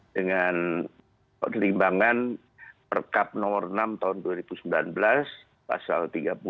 dengan pertimbangan perkap nomor enam tahun dua ribu sembilan belas pasal tiga puluh